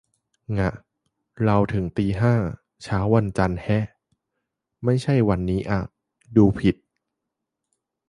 ง่ะ เราถึงตีห้า เช้าวันจันทร์แฮะ ไม่ใช่วันนี้อ่ะ ดูผิด